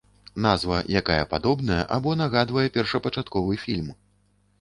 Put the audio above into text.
Назва, якая падобная або нагадвае першапачатковы фільм.